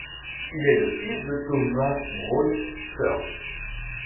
Il est le fils de Thomas Braun Sr.